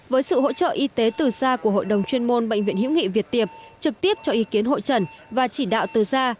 với sự hỗ trợ y tế từ xa của hội đồng chuyên môn bệnh viện hữu nghị việt tiệp trực tiếp cho ý kiến hội trần và chỉ đạo từ da